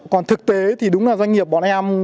còn thực tế thì đúng là doanh nghiệp bọn em